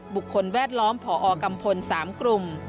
บุคคลแวดล้อมผอกัมพล๓กลุ่ม